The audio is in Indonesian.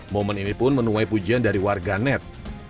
momen ini pun menuai pujian dari warganet